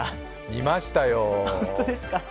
見ましたよ。